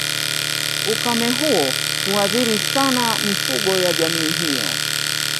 Ukame huo huathiri sana mifugo ya jamii hiyo